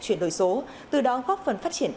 chuyển đổi số từ đó góp phần phát triển